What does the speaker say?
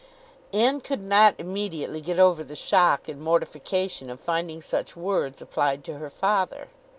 Anne could not immediately get over the shock and mortification of finding such words applied to her father.